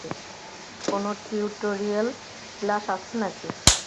কোনো tutorial class আছে নাকি?